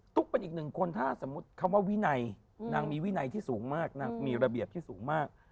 เป็นอีกหนึ่งคนถ้าสมมุติคำว่าวินัยนางมีวินัยที่สูงมากนางมีระเบียบที่สูงมาก